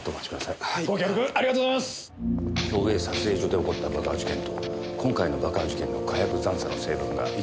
共映撮影所で起こった爆破事件と今回の爆破事件の火薬残渣の成分が一致しました。